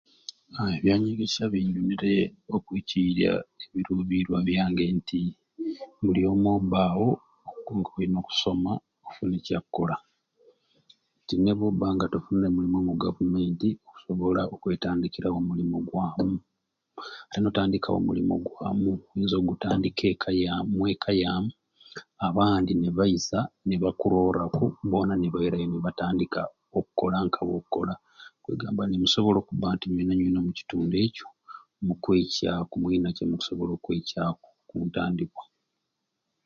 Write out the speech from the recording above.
Aaa ebyanyegesya binjunire okwiccirya ebiruubirirwa byange nti buli omwe obbaawo nga olina okusoma okufuna ekyakkola nti nebwobba nga tofunire mulimu mu Gavumenti osobola okwetandikirawo omulimu ogwamu era n'otandikawo omulimu gwamu oyinza ogutandika omweka yamwe mweka yaamu abandi nibaiza nibakuroora ku boona nibairayo nibatandika okukola nka we n'okukola kwegamba nemusobola okubba nga nywena nywena omukitundu ekyo mukweicaaku mulina kyemukusobola okweicaaku ku ntandikwa.